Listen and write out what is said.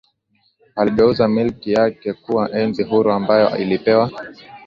aligeuza milki yake kuwa enzi huru ambayo ilipewa